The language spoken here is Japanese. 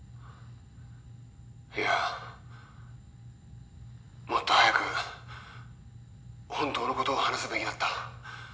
いやもっと早く本当のことを話すべきだった。